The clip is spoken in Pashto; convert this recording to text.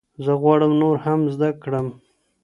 زه غواړم نور هم زده کړم.